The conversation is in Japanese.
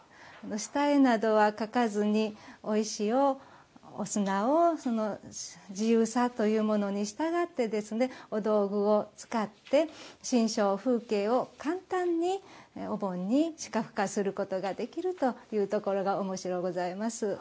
下絵などは描かずにお石をお砂を自由さというものにしたがってお道具を使って、珍重風景を簡単に視覚化することができるというところがおもしろうございます。